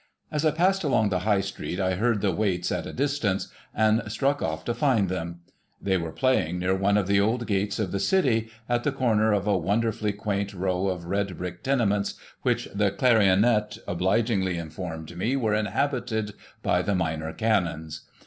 As I passed along the High street, I heard the Waits at a distance, and struck off to find them. They were playing near one of the old gates of the City, at the corner of a wonderfully quaint row of red brick tenements, which the clarionet obligingly informed me were inhabited by the Minor Canons.